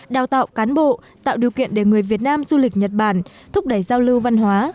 đào tạo cán bộ tạo điều kiện để người việt nam du lịch nhật bản thúc đẩy giao lưu văn hóa